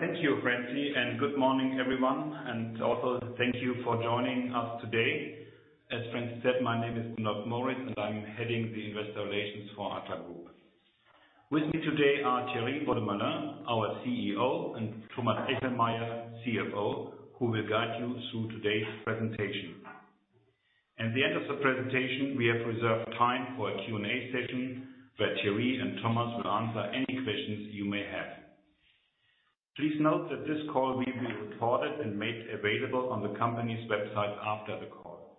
Thank you, Francine. Good morning, everyone, also thank you for joining us today. As Francis said, my name is Gundolf Moritz, and I'm heading the investor relations for Adler Group. With me today are Thierry Beaudemoulin, our CEO, and Thomas Echelmeyer, CFO, who will guide you through today's presentation. At the end of the presentation, we have reserved time for a Q&A session, where Thierry and Thomas will answer any questions you may have. Please note that this call will be recorded and made available on the company's website after the call.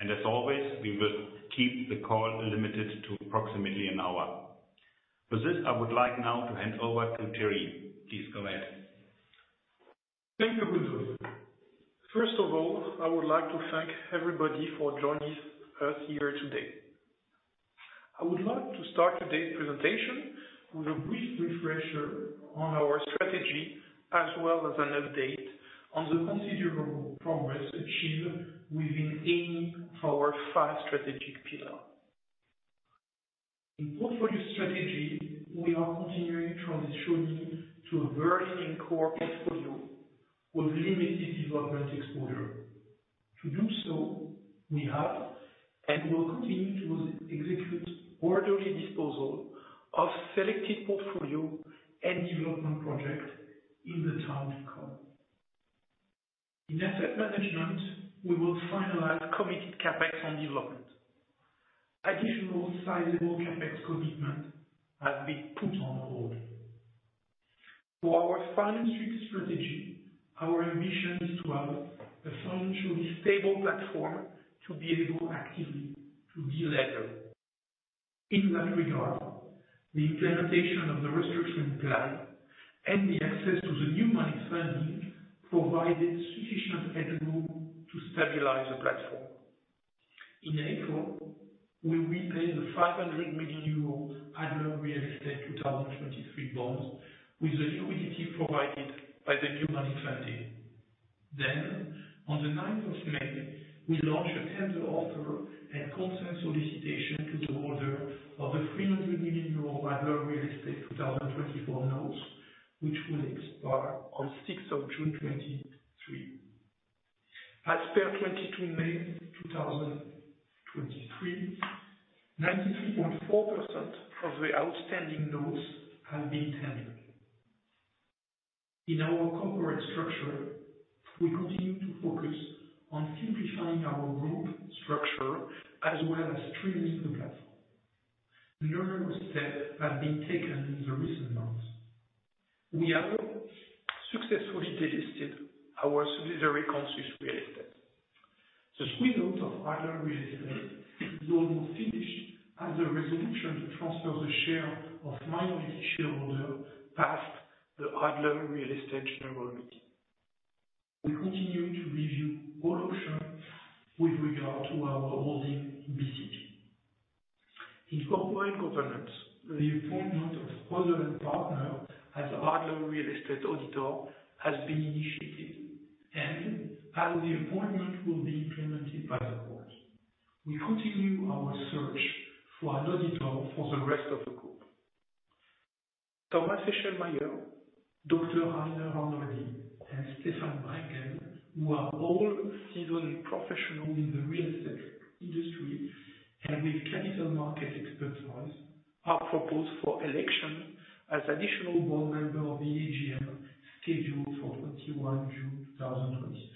As always, we will keep the call limited to approximately an hour. For this, I would like now to hand over to Thierry. Please go ahead. Thank you, Gundolf. First of all, I would like to thank everybody for joining us here today. I would like to start today's presentation with a brief refresher on our strategy, as well as an update on the considerable progress achieved within any of our 5 strategic pillar. In portfolio strategy, we are continuing transitioning to a very core portfolio with limited development exposure. To do so, we have and will continue to execute orderly disposal of selected portfolio and development project in the target call. In asset management, we will finalize committed CapEx on development. Additional sizable CapEx commitment have been put on hold. For our finance strategy, our ambition is to have a financially stable platform to be able actively to delever. In that regard, the implementation of the restructure plan and the access to the new money funding provided sufficient headroom to stabilize the platform. In April, we repaid the 500 million euro Adler Real Estate 2023 bond with the liquidity provided by the new money funding. On the 9th of May, we launched a tender offer and consent solicitation to the holder of the 300 million euro Adler Real Estate 2024 notes, which will expire on 6th of June 2023. As per 22 May 2023, 93.4% of the outstanding notes have been tendered. In our corporate structure, we continue to focus on simplifying our group structure as well as streamlining the platform. Numerous steps have been taken in the recent months. We have successfully delisted our subsidiary, Consus Real Estate. The spin-out of Adler Real Estate is almost finished as the resolution to transfer the share of minority shareholder passed the Adler Real Estate general meeting. We continue to review all options with regard to our holding, BCP. In corporate governance, the appointment of Rödl & Partner as Adler Real Estate auditor has been initiated, and as the appointment will be implemented by the board, we continue our search for an auditor for the rest of the group. Thomas Echelmeyer, Dr. Rainer Andrä, and Stefan Brendgen, who are all seasoned professionals in the real estate industry and with capital market expertise, are proposed for election as additional board member of the AGM, scheduled for 21 June 2023.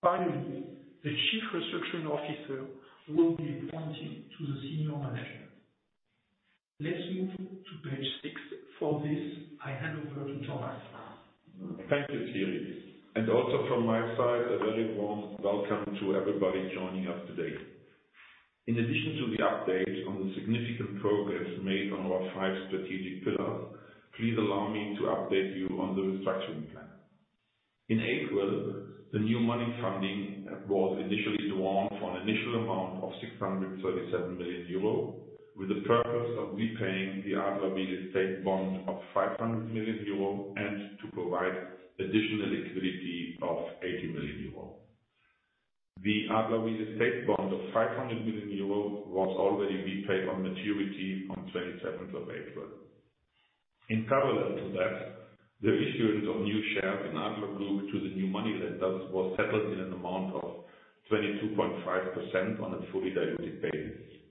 Finally, the Chief Restructuring Officer will be appointed to the senior management. Let's move to page six. For this, I hand over to Thomas. Thank you, Thierry. Also from my side, a very warm welcome to everybody joining us today. In addition to the update on the significant progress made on our five strategic pillars, please allow me to update you on the restructuring plan. In April, the new money funding was initially drawn for an initial amount of 637 million euro, with the purpose of repaying the Adler Real Estate bond of 500 million euro and to provide additional liquidity of 80 million euro. The Adler Real Estate bond of 500 million euro was already repaid on maturity on 27th of April. In parallel to that, the issuance of new shares in Adler Group to the new money lenders was settled in an amount of 22.5% on a fully diluted basis.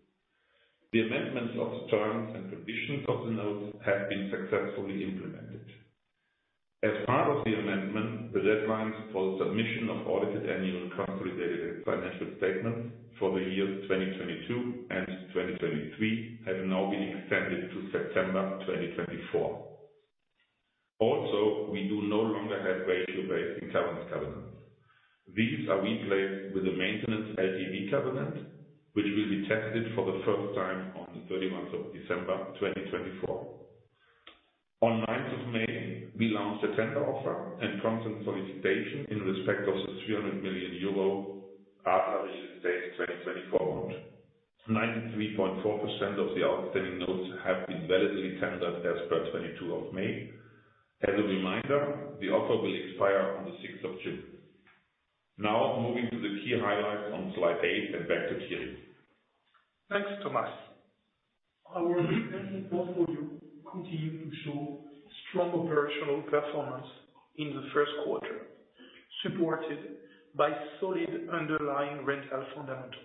The amendments of terms and conditions of the notes have been successfully implemented. As part of the amendment, the deadlines for submission of audited annual consolidated financial statements for the years 2022 and 2023 have now been extended to September 2024. We do no longer have ratio-based covenants. These are replaced with a maintenance LTV covenant, which will be tested for the first time on the 31st of December, 2024. On 9th of May, we launched a tender offer and consent solicitation in respect of the 300 million euro Adler Real Estate 2024 bond. 93.4% of the outstanding notes have been validly tendered as per 22 of May. As a reminder, the offer will expire on the 6th of June. Moving to the key highlights on slide 8 and back to Thierry. Thanks, Thomas. Our portfolio continued to show strong operational performance in the first quarter, supported by solid underlying rental fundamentals.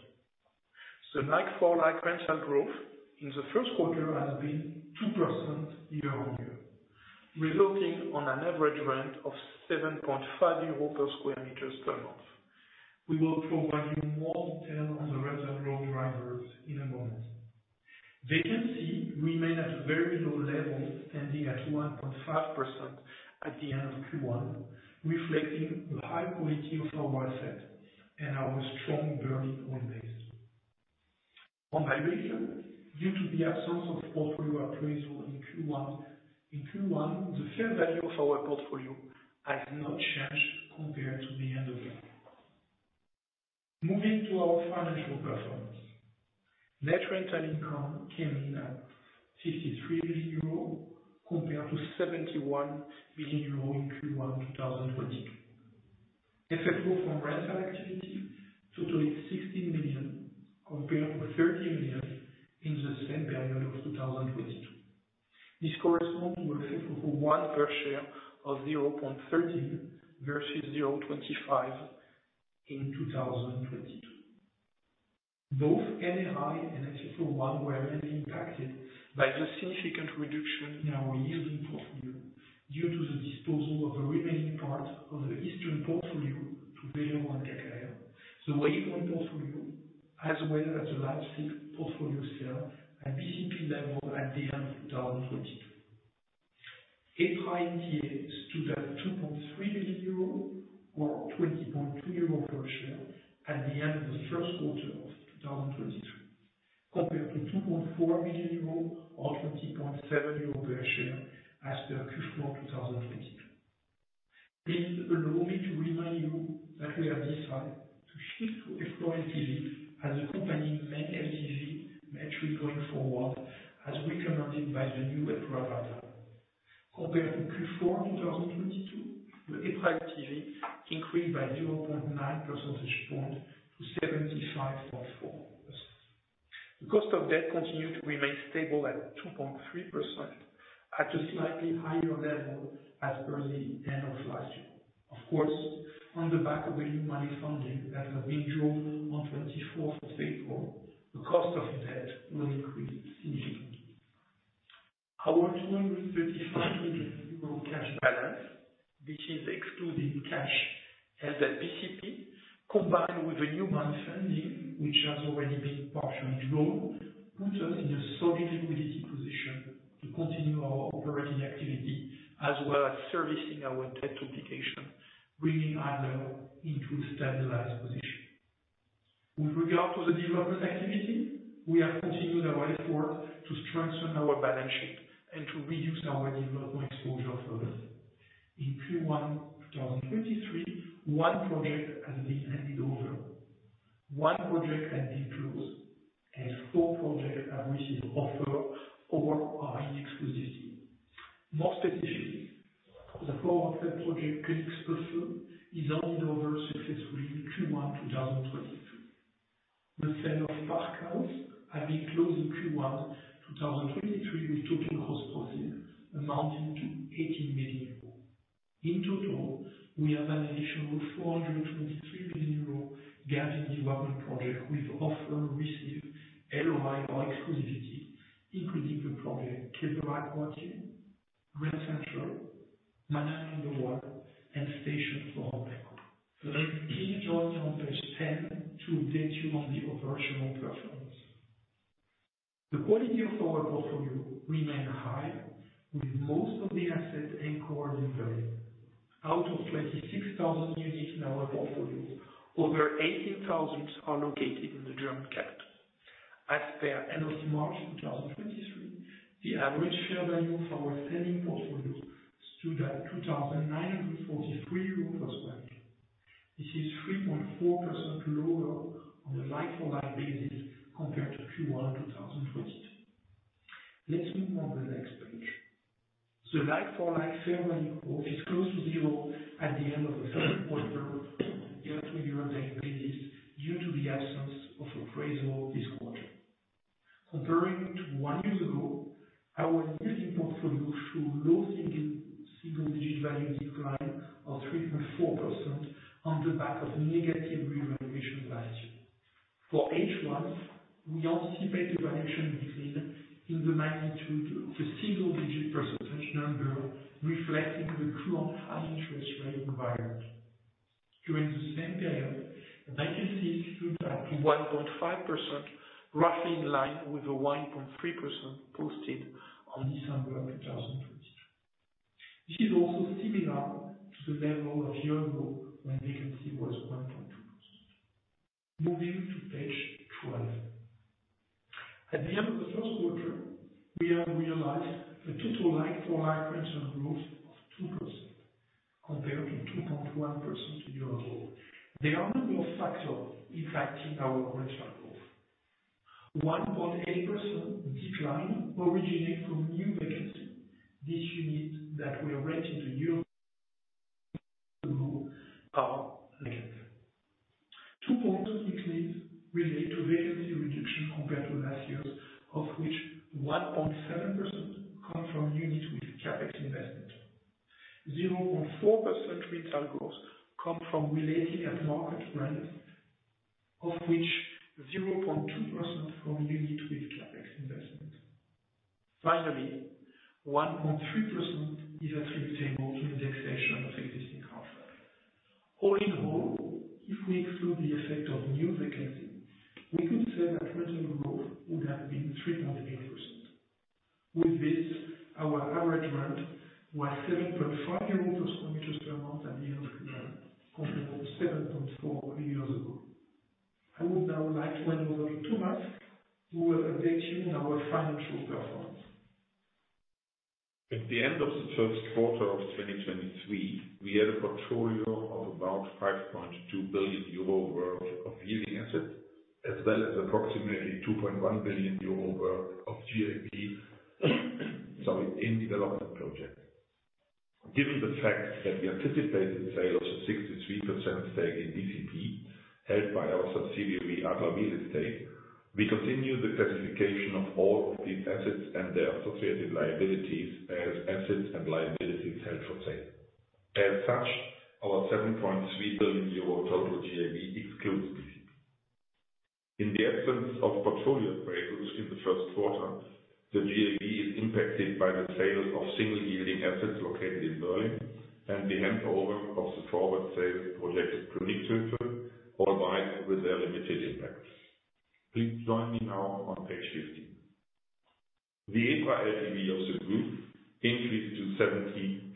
The like-for-like rental growth in the first quarter has been 2% year-on-year, resulting on an average rent of 7.5 euros per square meters per month. We will provide you more detail on the rental growth drivers in a moment. Vacancy remained at a very low level, standing at 1.5% at the end of Q1, reflecting the high quality of our asset and our strong billing base. On valuation, due to the absence of portfolio appraisal in Q1, the fair value of our portfolio has not changed compared to the end of the year. Moving to our financial performance. Net Rental Income came in at 53 million euro, compared to 71 million euro in Q1 2022. Effect from rental activity totaling 16 million, compared to 30 million in the same period of 2022. This corresponds to a one per share of 0.13 versus 0.25 in 2022. Both Net Rental Income and FFO 1 were really impacted by the significant reduction in our yielding portfolio due to the disposal of the remaining part of the eastern portfolio to Velero and KKR. The Wave One portfolio, as well as the last six portfolio sale at BCP level at the end of 2022. EBITDA stood at 2.3 million euro, or 20.2 euro per share at the end of the first quarter of 2022, compared to 2.4 million euro, or 20.7 euro per share as per Q4 2022. Please allow me to remind you that we have decided to shift to EPRA NTA as a company main NAV metric going forward, as recommended by the new provider. Compared to Q4 2022, the EPRA LTV increased by 0.9 percentage point to 75.4. The cost of debt continued to remain stable at 2.3%, at a slightly higher level as per the end of last year. Of course, on the back of the new money funding that have been drawn on 24th of April, the cost of debt will increase significantly. Our 235 million EUR cash balance, which is excluding cash as at BCP, combined with the new money funding, which has already been partially drawn, put us in a solid liquidity position to continue our operating activity, as well as servicing our debt obligation, bringing Adler into a stabilized position. With regard to the development activity, we have continued our effort to strengthen our balance sheet and to reduce our development exposure further. In Q1 2023, one project has been handed over, one project has been closed, and four projects have received offer or are in exclusivity. More specifically, the Königsufer is handed over successfully in Q1 2022. The sale of Wasserstadt Mitte has been closed in Q1 2023, with total gross proceeds amounting to 80 million euros. In total, we have an additional 423 million euros gathering development project with offer, receive, LOI or exclusivity, including the project, Kepler-Quartier, Grand Central, Wallotstraße, and Steglitzer Kreisel. Please join me on page 10 to update you on the operational performance. The quality of our portfolio remain high, with most of the assets anchored in value. Out of 26,000 units in our portfolios, over 18,000 are located in the German capital. As per end of March 2023, the average share value of our selling portfolio stood at 2,943 euros plus VAT. This is 3.4% lower on a like-for-like basis compared to Q1 2020. Let's move on to the next page. Like-for-like fair value growth is close to 0 at the end of the first quarter, year-over-year basis, due to the absence of appraisal this quarter. Comparing to 1 year ago, our existing portfolio show low single-digit value decline of 3.4% on the back of negative revaluation value. For H1, we anticipate the valuation decrease in the magnitude of a single-digit percentage number, reflecting the current high interest rate environment. During the same period, the vacancy stood at 1.5%, roughly in line with the 1.3% posted on December of 2022. This is also similar to the level of year ago, when vacancy was 1.2%. Moving to page 12. At the end of the first quarter, we have realized a total like-for-like rental growth of 2%, compared to 2.1% year ago. There are a number of factors impacting our rental growth. 1.8% decline originated from new vacancy. Two points quickly relate to vacancy reduction compared to last year, of which 1.7% come from units with CapEx investment. 0.4% retail growth come from relating at market values, of which 0.2% from unit with CapEx investment. Finally, 1.3% is attributable to indexation of existing houses. All in all, if we exclude the effect of new vacancy, we could say that rental growth would have been 3.8%. With this, our average rent was 7.5 euros per square meters per month at the end of the year, comparable to 7.4 years ago. I would now like to hand over to Thomas, who will update you on our financial performance. At the end of the first quarter of 2023, we had a portfolio of about 5.2 billion euro worth of yielding assets, as well as approximately 2.1 billion euro worth of GAV, sorry, in development projects. Given the fact that we anticipated sales of 63% stake in BCP, held by our subsidiary, Adler Real Estate, we continue the classification of all of these assets and their associated liabilities as assets and liabilities held for sale. Our 7.3 billion euro total GAV excludes BCP. In the absence of portfolio breakthroughs in the first quarter, the GAV is impacted by the sales of single yielding assets located in Berlin and the handover of the forward sales project, Königsufer, albeit with their limited impacts. Please join me now on page 15. The EPRA LTV of the group increased to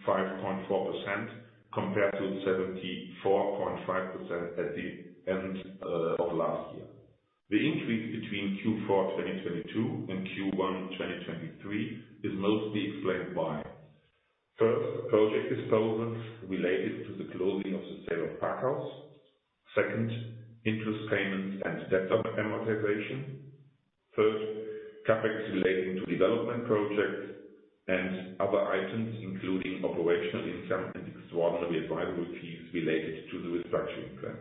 75.4%, compared to 74.5% at the end of last year. The increase between Q4 2022 and Q1 2023 is mostly explained by: first, project disposal related to the closing of the sale of Am Park. Second, interest payments and debt amortization. Third, CapEx relating to development projects and other items, including operational income and extraordinary advisory fees related to the restructuring plan.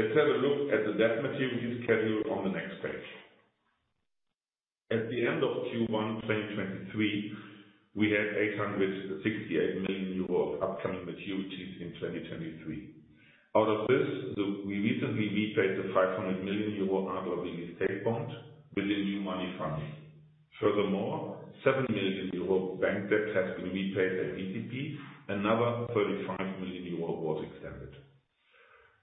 Let's have a look at the debt maturities schedule on the next page. At the end of Q1 2023, we had 868 million euro of upcoming maturities in 2023. Out of this, we recently repaid the 500 million euro Adler Real Estate bond with the new money funding. Seven million euro bank debt has been repaid by BCP. Another 35 million euro was extended.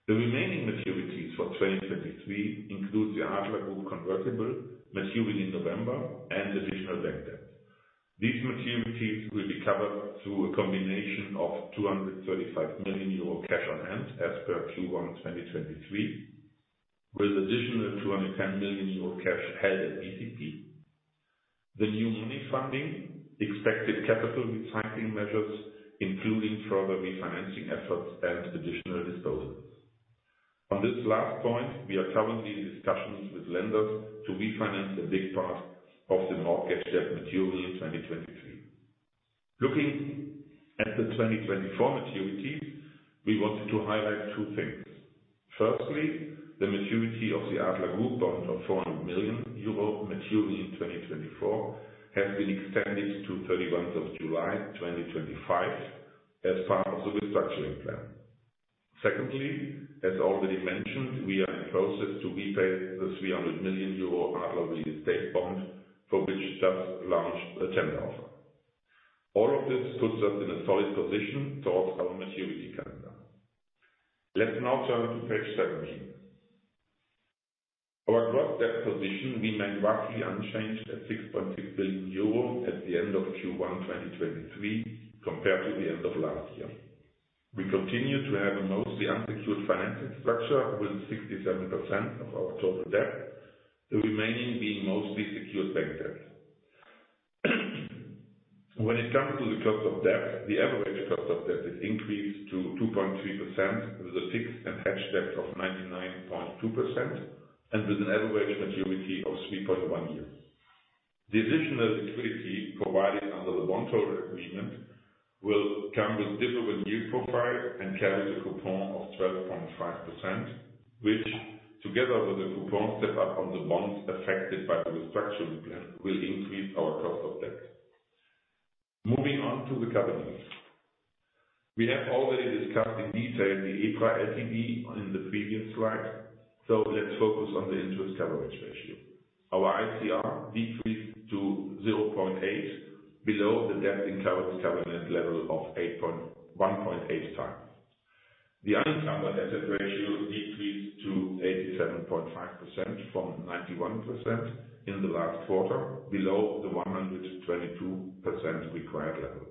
The remaining maturities for 2023 include the Adler Group convertible, maturing in November, and additional bank debt. These maturities will be covered through a combination of 235 million euro cash on hand as per Q1 2023, with additional 210 million euro cash held at BCP. The new money funding, expected capital recycling measures, including further refinancing efforts and additional disposals. On this last point, we are currently in discussions with lenders to refinance a big part of the mortgage debt material in 2023. Looking at the 2024 maturities, we wanted to highlight two things. Firstly, the maturity of the Adler Group bond of 400 million euro maturing in 2024, has been extended to 31 of July, 2025, as part of the restructuring plan. Secondly, as already mentioned, we are in process to repay the 300 million euro Adler Real Estate bond, for which just launched a tender offer. All of this puts us in a solid position towards our maturity calendar. Let's now turn to page 17. Our gross debt position remained roughly unchanged at 6.6 billion euro at the end of Q1 2023, compared to the end of last year. We continue to have a mostly unsecured financing structure, with 67% of our total debt, the remaining being mostly secured bank debt. When it comes to the cost of debt, the average cost of debt has increased to 2.3%, with a fixed and hedge debt of 99.2%, and with an average maturity of 3.1 years. The additional security provided under the bondholder agreement will come with different yield profile and carry the coupon of 12.5%, which, together with the coupon step up on the bonds affected by the restructuring plan, will increase our cost of debt. Moving on to the covenants. We have already discussed in detail the EPRA LTV in the previous slide, so let's focus on the interest coverage ratio. Our ICR decreased to 0.8, below the debt coverage covenant level of 1.8 times. The unencumbered asset ratio decreased to 87.5% from 91% in the last quarter, below the 122% required level.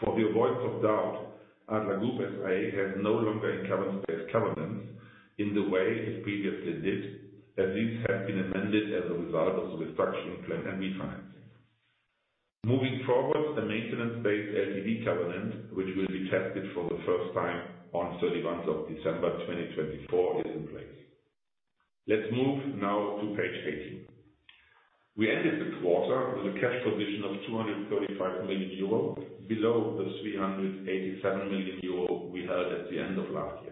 For the avoidance of doubt, Adler Group S.A. has no longer encumbered its covenants in the way it previously did, as these have been amended as a result of the restructuring plan and refinancing. Moving forward, a maintenance-based LTV covenant, which will be tested for the first time on 31st of December 2024, is in place. Let's move now to page 18. We ended the quarter with a cash position of 235 million euro, below the 387 million euro we had at the end of last year.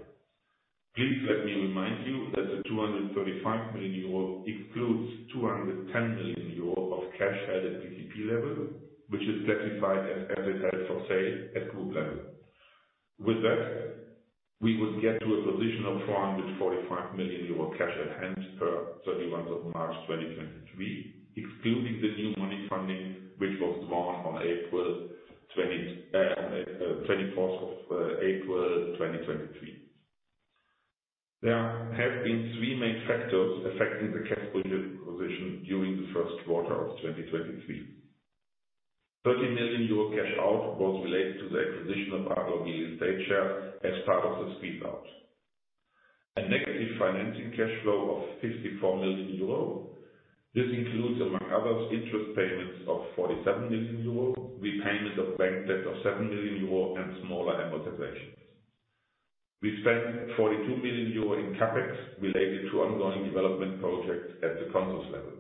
Please let me remind you that the 235 million euro excludes 210 million euro of cash added BCP level, which is classified as asset held for sale at group level. With that, we would get to a position of 445 million euro cash at hand per 31st of March 2023, excluding the new money funding, which was drawn on the 24th of April 2023. There have been three main factors affecting the cash position during the first quarter of 2023. 30 million euro cash out was related to the acquisition of Adler Real Estate share as part of the spin-out. A negative financing cash flow of 54 million euro. This includes, among others, interest payments of 47 million euro, repayment of bank debt of 7,000,000 million euro, and smaller amortizations. We spent 42 million euro in CapEx related to ongoing development projects at the Consus level.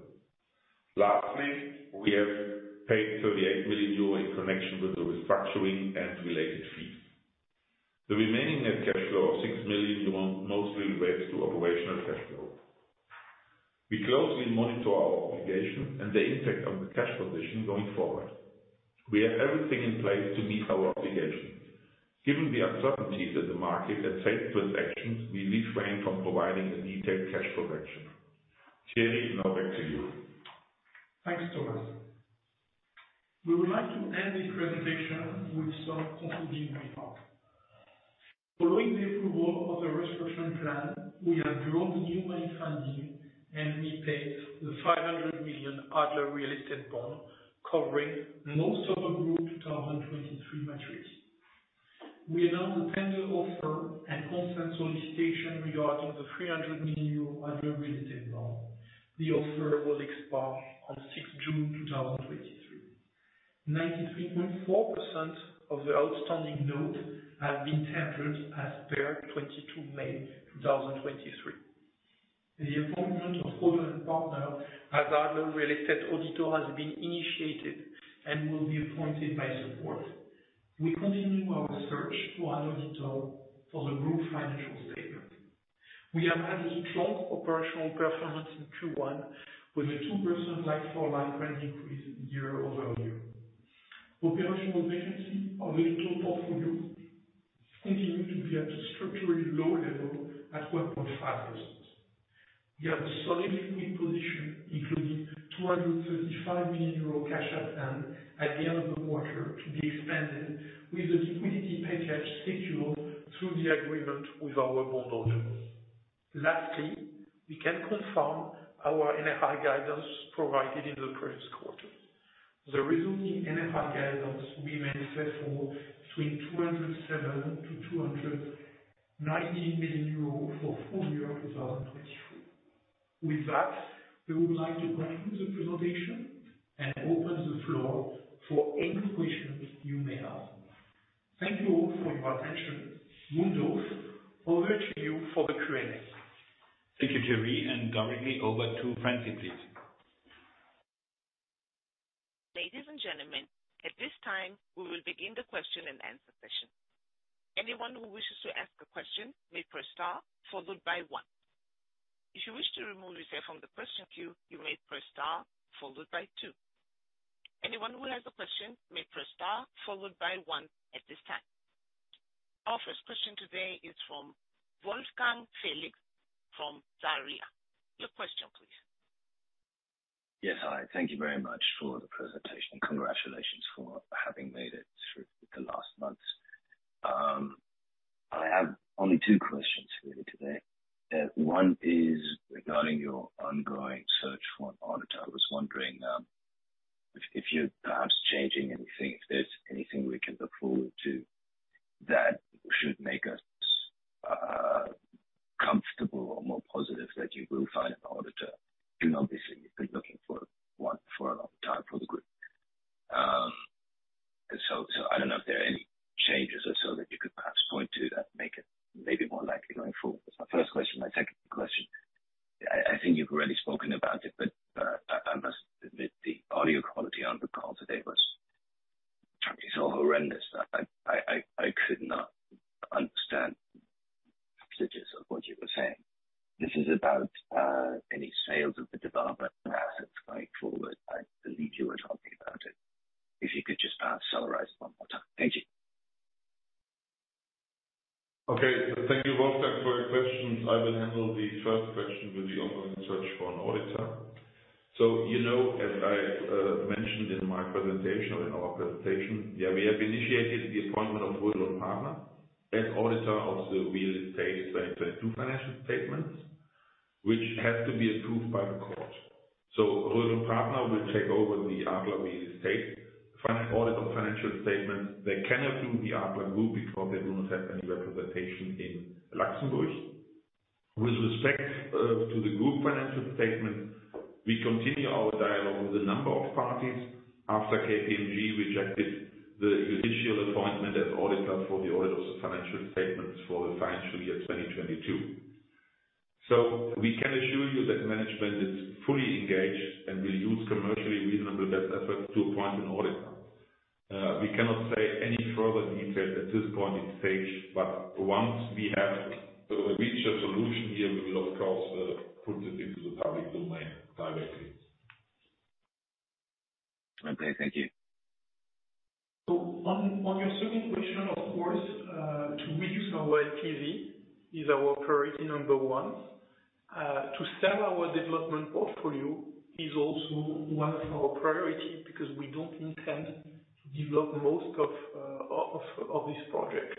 Lastly, we have paid 38 million euro in connection with the restructuring and related fees. The remaining net cash flow of 6,000,000 euro mostly relates to operational cash flow. We closely monitor our obligation and the impact on the cash position going forward. We have everything in place to meet our obligations. Given the uncertainties in the market and sales transactions, we refrain from providing a detailed cash flow action. Thierry, now back to you. Thanks, Thomas. We would like to end the presentation with some concluding remarks. Following the approval of the restructuring plan, we have drawn the new money funding and repaid the 500 million Adler Real Estate bond, covering most of the group 2023 metrics. We announced a tender offer and consent solicitation regarding the 300 million euro Adler Real Estate bond. The offer will expire on June 6, 2023. 93.4% of the outstanding notes have been tendered as per May 22, 2023. The appointment of Rödl & Partner as Adler Real Estate auditor has been initiated and will be appointed by the board. We continue our search to add auditor for the group financial statement. We have had a strong operational performance in Q1, with a 2% like-for-like rent increase year-over-year. Operational efficiency of the total portfolio continue to be at structurally low level at 1.5%. We have a solid quick position, including 235 million euro cash at hand at the end of the quarter, to be expanded with the liquidity package scheduled through the agreement with our bondholders. Lastly, we can confirm our NRI guidance provided in the previous quarter. The resuming NRI guidance we may set for between 207 million-290 million euros for full year 2023. With that, we would like to conclude the presentation and open the floor for any questions you may have. Thank you all for your attention. Gundolf, over to you for the Q&A. Thank you, Thierry. Directly over to Francine, please. Ladies and gentlemen, at this time, we will begin the question and answer session. Anyone who wishes to ask a question may press star followed by one. If you wish to remove yourself from the question queue, you may press star followed by two. Anyone who has a question may press star followed by one at this time. Our first question today is from Wolfgang Felix from SARRIA Asset Management. Your question, please. Yes. Hi, thank you very much for the presentation, and congratulations for having made it through the last months. I have only two questions for you today. One is regarding your ongoing search for an auditor. I was wondering, if you're perhaps changing anything, if there's anything we can look forward to that should make us comfortable or more positive that you will find an auditor. Obviously, you've been looking for one for a long time for the group. I don't know if there are any changes or so that you could perhaps point to that make it maybe more likely going forward. That's my first question. My second question, I think you've already spoken about it, but I must admit, the audio quality on the call today was so horrendous that I could not understand passages of what you were saying. This is about any sales of the development assets going forward. I believe you were talking about it. If you could just perhaps summarize one more time. Thank you. Okay. Thank you, Wolfgang, for your questions. I will handle the first question with the ongoing search for an auditor. You know, as I mentioned in my presentation, or in our presentation, yeah, we have initiated the appointment of Rödl & Partner as auditor of the Real Estate 2022 financial statements, which have to be approved by the court. Rödl & Partner will take over the Adler Real Estate audit of financial statements. They cannot do the Adler Group because they do not have any representation in Luxembourg. With respect to the group financial statement, we continue our dialogue with a number of parties after KPMG rejected the initial appointment as auditor for the audit of the financial statements for the financial year 2022.... We can assure you that management is fully engaged and will use commercially reasonable best efforts to appoint an auditor. We cannot say any further detail at this point in stage. Once we have reached a solution here, we will of course put it into the public domain directly. Okay, thank you. On, on your second question, of course, to reduce our LTV is our priority number one. To sell our development portfolio is also one of our priority, because we don't intend to develop most of this project.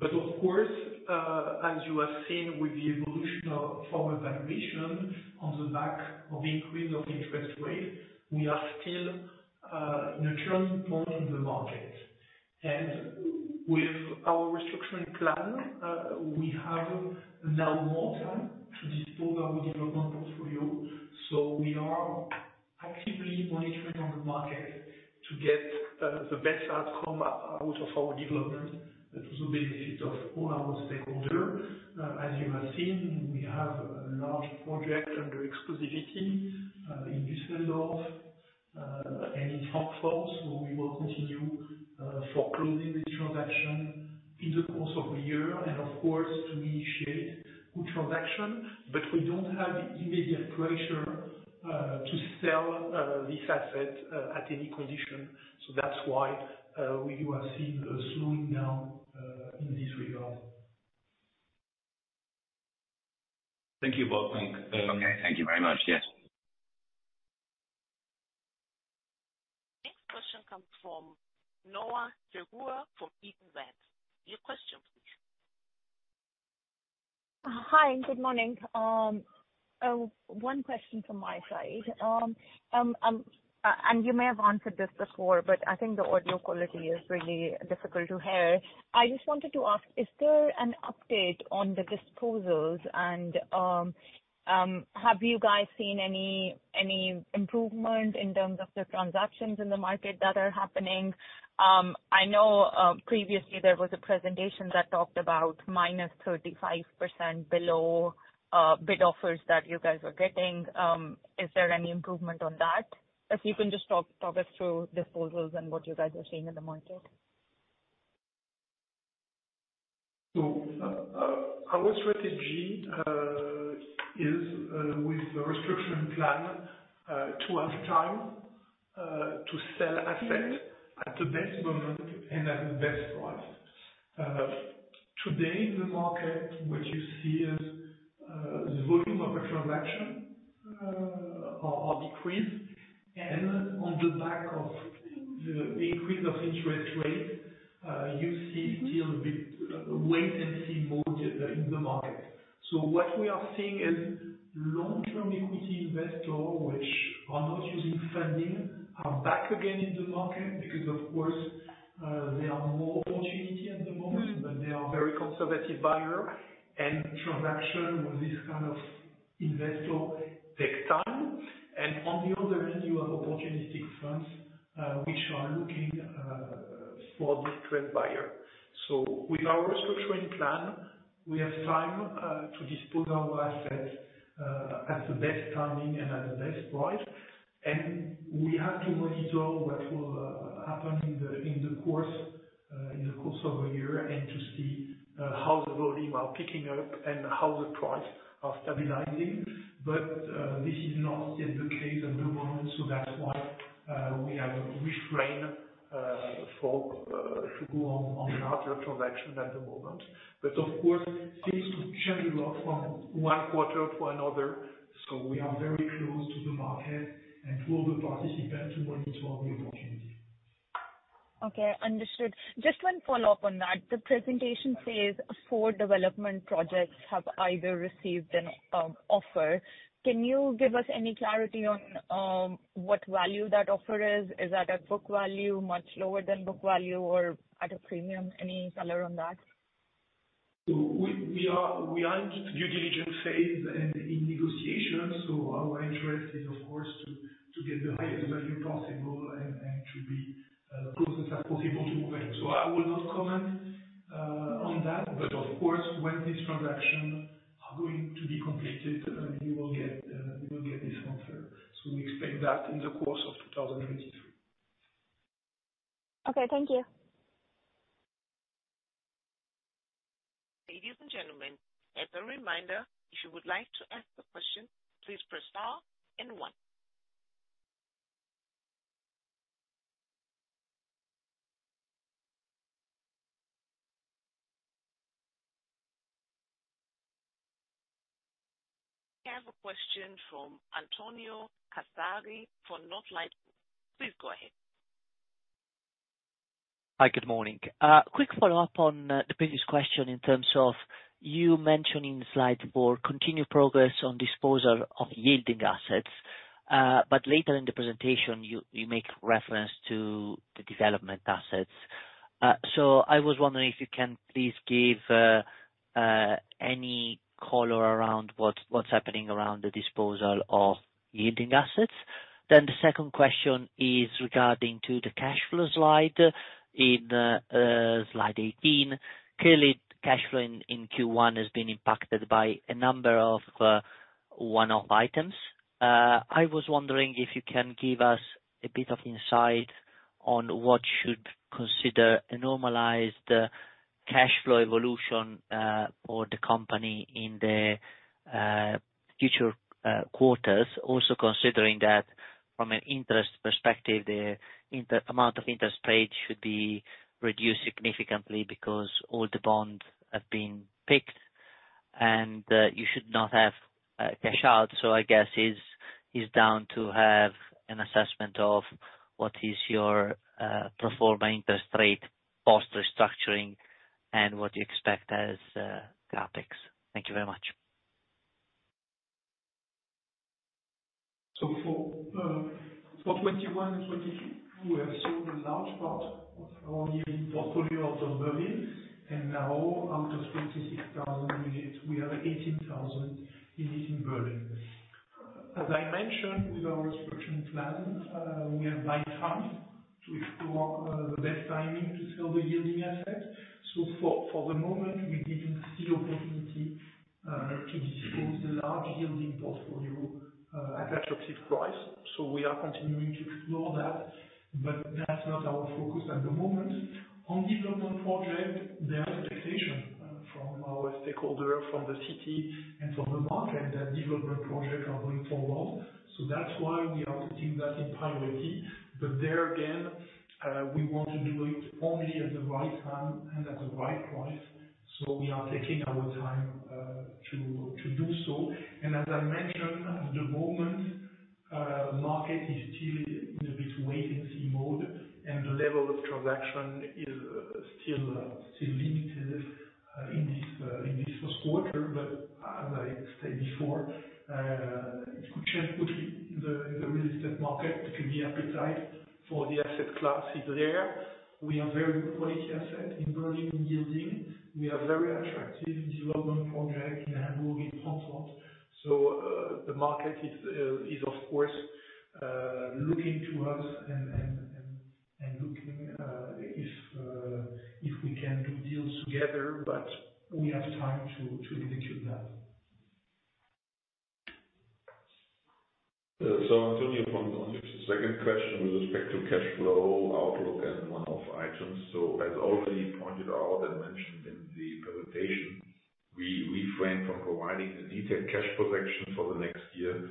Of course, as you have seen with the evolution of former valuation on the back of the increase of interest rates, we are still neutral point in the market. With our restructuring plan, we have now more time to dispose our development portfolio. We are actively monitoring on the market to get the best outcome out of our development to the benefit of all our stakeholder. As you have seen, we have a large project under exclusivity, in Düsseldorf, and in Frankfurt, we will continue for closing this transaction in the course of the year. Of course, to initiate good transaction. We don't have immediate pressure to sell this asset at any condition. That's why you have seen a slowing down in this regard. Thank you both. Okay. Thank you very much. Yes. Next question comes from Manuel Abad from ABG Sundal Collier. Your question, please. Hi, good morning. One question from my side. You may have answered this before, but I think the audio quality is really difficult to hear. I just wanted to ask, is there an update on the disposals? Have you guys seen any improvement in terms of the transactions in the market that are happening? I know, previously there was a presentation that talked about minus 35% below, bid offers that you guys were getting. Is there any improvement on that? If you can just talk us through disposals and what you guys are seeing in the market. Our strategy is with the restriction plan to have time to sell assets at the best moment and at the best price. Today, the market, what you see is the volume of transaction are decreased, on the back of the increase of interest rates, you see still a bit wait-and-see mode in the market. What we are seeing is long-term equity investor, which are not using funding, are back again in the market, because, of course, there are more opportunity at the moment, but they are very conservative buyer, and transaction with this kind of investor takes time. On the other hand, you have opportunistic funds, which are looking for different buyer. With our restructuring plan, we have time to dispose our assets at the best timing and at the best price. We have to monitor what will happen in the course in the course of a year, and to see how the volume are picking up and how the price are stabilizing. This is not yet the case at the moment, so that's why we have refrained for to go on other transaction at the moment. Of course, things generally work from one quarter to another, so we are very close to the market and to all the participants to monitor all the opportunity. Okay, understood. Just one follow-up on that. The presentation says four development projects have either received an offer. Can you give us any clarity on what value that offer is? Is that at book value, much lower than book value, or at a premium? Any color on that? We are in due diligence phase and in negotiations, our interest is of course to get the highest value possible and to be close as possible to the value. I will not comment on that, but of course, when these transactions are going to be completed, you will get this answer. We expect that in the course of 2023. Okay. Thank you. Ladies and gentlemen, as a reminder, if you would like to ask a question, please press star and one. I have a question from Antonio Castagna for Northlight. Please go ahead. Hi, good morning. quick follow-up on the previous question in terms of you mentioning in slide four, continued progress on disposal of yielding assets. Later in the presentation, you make reference to the development assets. I was wondering if you can please give any color around what's happening around the disposal of yielding assets? The second question is regarding to the cash flow slide. In slide 18, clearly, cash flow in Q1 has been impacted by a number of one-off items. I was wondering if you can give us a bit of insight on what should consider a normalized cash flow evolution, for the company in the future, quarters. Considering that from an interest perspective, the amount of interest paid should be reduced significantly because all the bonds have been PIK'd, and you should not have cash out. I guess it's down to have an assessment of what is your pro forma interest rate post-restructuring and what you expect as CapEx. Thank you very much. For '21 and '22, we have sold a large part of our yielding portfolio out of Berlin, and now out of 26,000 units, we have 18,000 in Berlin. As I mentioned, with our restructuring plan, we have buy funds to explore the best timing to sell the yielding assets. For the moment, we didn't see opportunity to dispose the large yielding portfolio at attractive price. We are continuing to explore that, but that's not our focus at the moment. On development project, there is expectation from our stakeholder, from the city, and from the market, that development projects are going forward. That's why we are putting that in priority. There again, we want to do it only at the right time and at the right price. We are taking our time to do so. As I mentioned, at the moment, market is still in a bit wait-and-see mode, and the level of transaction is still limited in this first quarter. As I said before, it could change quickly. The real estate market, the appetite for the asset class is there. We are very quality asset in Berlin, in yielding. We are very attractive development project in Hamburg and Frankfurt. The market is, of course, looking to us and looking if we can do deals together, but we have time to execute that. Antonio, on the second question with respect to cash flow outlook and one-off items. As already pointed out and mentioned in the presentation, we refrain from providing a detailed cash flow action for the next year,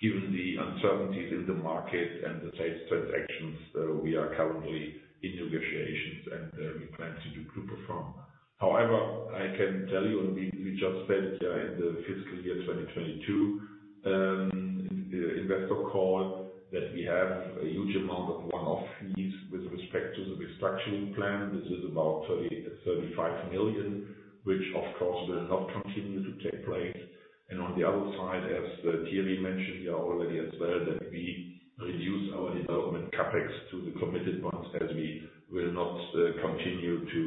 given the uncertainties in the market and the sales transactions, we are currently in negotiations, and we plan to perform. However, I can tell you, and we just said it in the fiscal year 2022 investor call, that we have a huge amount of one-off fees with respect to the restructuring plan. This is about 30 million-35 million, which of course, will not continue to take place. On the other side, as Thierry mentioned here already as well, that we reduce our development CapEx to the committed ones, as we will not continue to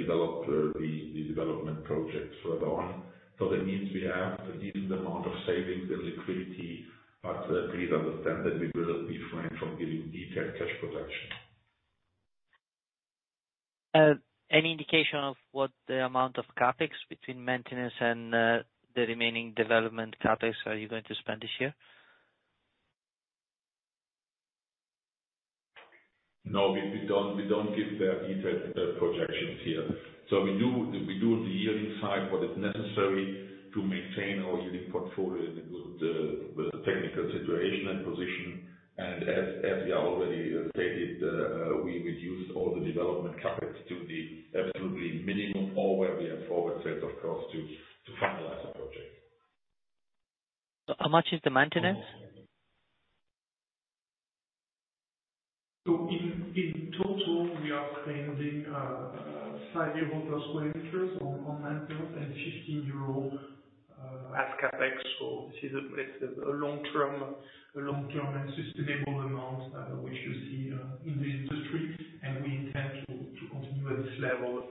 develop the development projects further on. That means we have a decent amount of savings and liquidity, but please understand that we will refrain from giving detailed cash flow action. Any indication of what the amount of CapEx between maintenance and the remaining development CapEx are you going to spend this year? No, we don't give the detailed projections here. We do on the yielding side, what is necessary to maintain our yielding portfolio in a good technical situation and position. As we already stated, we reduced all the development CapEx to the absolutely minimum or where we have forward sales, of course, to finalize the project. How much is the maintenance? In total, we are spending EUR 5 plus quarters on maintenance and 15 euro as CapEx. It's a long-term and sustainable amount which you see in the industry, and we intend to continue at this level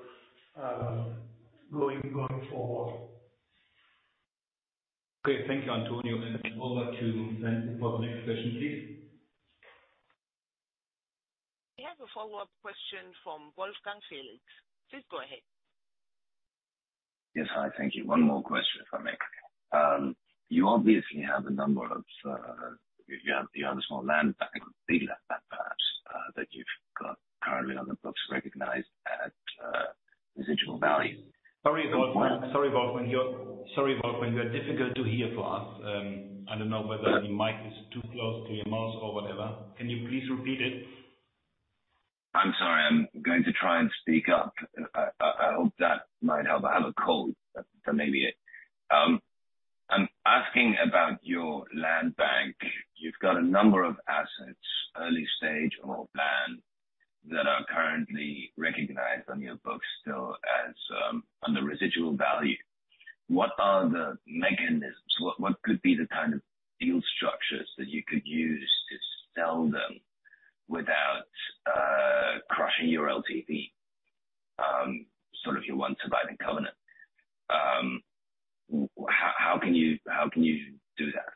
going forward. Okay. Thank you, Antonio. Over to the next question, please. We have a follow-up question from Wolfgang Felix. Please go ahead. Yes. Hi, thank you. One more question, if I may. You obviously have a number of, you have a small land bank, big land bank, perhaps, that you've got currently on the books recognized at residual value. Sorry, Wolfgang, you are difficult to hear for us. I don't know whether the mic is too close to your mouth or whatever. Can you please repeat it? I'm sorry. I'm going to try and speak up. I hope that might help. I have a cold, so maybe it. I'm asking about your land bank. You've got a number of assets, early stage or land, that are currently recognized on your books still as, under residual value. What are the mechanisms? What could be the kind of deal structures that you could use to sell them without.... Russian EUR LTV, sort of your 1 surviving covenant. How can you do that?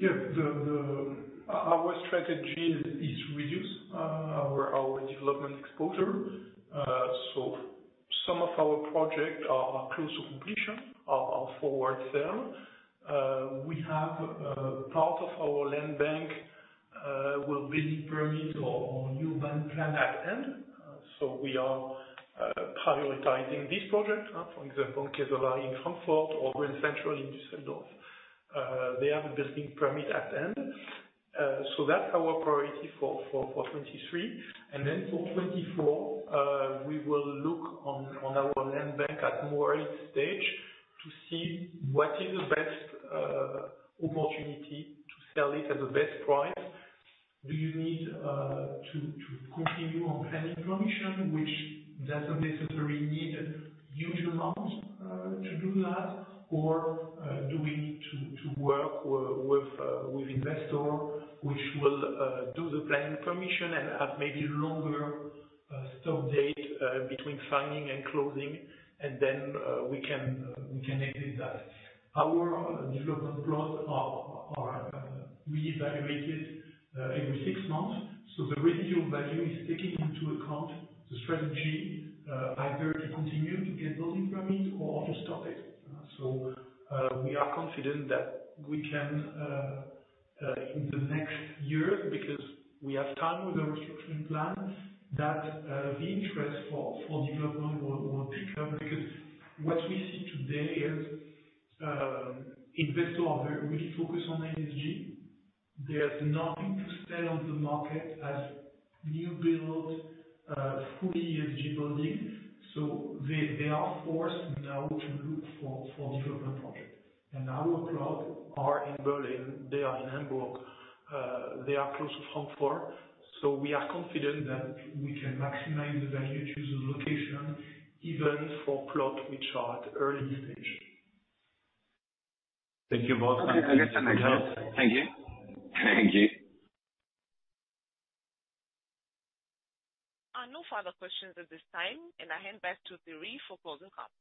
Yeah, the our strategy is to reduce our development exposure. So some of our projects are close to completion, are forward sell. We have part of our land bank will building permit or new bank plan at end. We are prioritizing this project. For example, in Frankfurt or Grand Central in Düsseldorf. They have a building permit at end. That's our priority for 2023. Then for 2024, we will look on our land bank at more early stage to see what is the best opportunity to sell it at the best price. Do you need to continue on planning permission, which doesn't necessarily need huge amounts to do that? Do we need to work with investor, which will do the planning permission and have maybe longer stop date between signing and closing, and then we can exit that. Our development plots are reevaluated every 6 months, so the residual value is taking into account the strategy, either to continue to get building permits or to stop it. We are confident that we can in the next year, because we have time with the restructuring plan, that the interest for development will pick up. What we see today is investors are really focused on ESG. There's nothing to sell on the market as new build, fully ESG building, so they are forced now to look for development projects. Our plots are in Berlin, they are in Hamburg, they are close to Frankfurt. We are confident that we can maximize the value to the location, even for plots which are at early stage. Thank you both. Thank you. Thank you. There are no further questions at this time, and I hand back to Thierry for closing comments.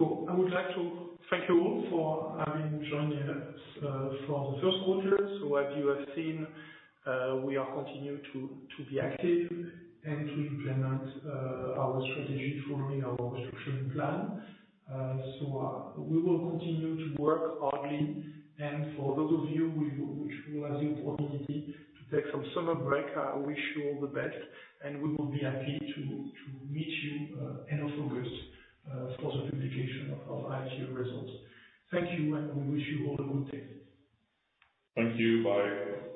I would like to thank you all for having joined us for the first quarter. As you have seen, we are continuing to be active and to implement our strategy following our restructuring plan. We will continue to work hardly, and for those of you who, which will have the opportunity to take some summer break, I wish you all the best, and we will be happy to meet you end of August for the publication of our IPO results. Thank you, and we wish you all a good day. Thank you. Bye.